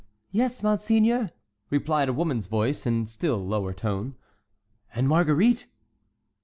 "Yes, monseigneur," replied a woman's voice, in a still lower tone. "And Marguerite?"